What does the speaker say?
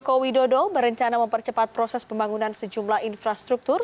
joko widodo berencana mempercepat proses pembangunan sejumlah infrastruktur